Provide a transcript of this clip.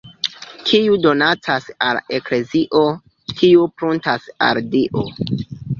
Kiu donacas al la Eklezio, tiu pruntas al Dio.